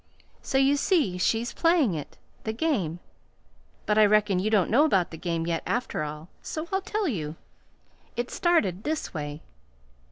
So you see she's playing it the game. But I reckon you don't know about the game yet, after all; so I'll tell you. It started this way."